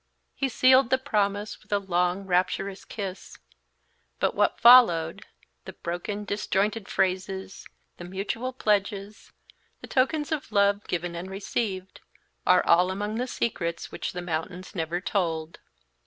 He sealed the promise with a long, rapturous kiss; but what followed, the broken, disjointed phrases, the mutual pledges, the tokens of love given and received, are all among the secrets which the mountains never told.